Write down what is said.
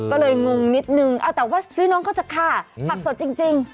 ก็เลยงงนิดนึงเอาแต่ว่าซื้อน้องเขาจะฆ่าผักสดจริง